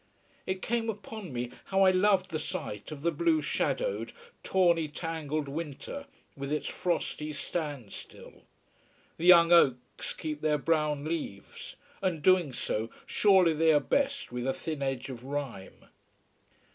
It came upon me how I loved the sight of the blue shadowed, tawny tangled winter with its frosty standstill. The young oaks keep their brown leaves. And doing so, surely they are best with a thin edge of rime.